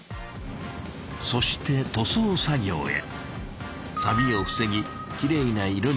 そして塗装作業へ。